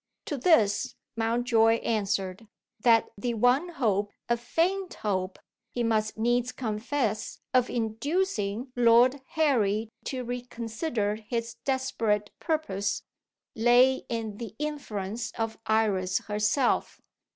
To this Mountjoy answered, that the one hope a faint hope, he must needs confess of inducing Lord Harry to reconsider his desperate purpose, lay in the influence of Iris herself.